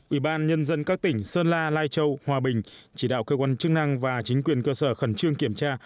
ủy ban nhân dân các tỉnh sơn la lai châu hòa bình chỉ đạo cơ quan chức năng và chính quyền cơ sở khẩn trương kiểm tra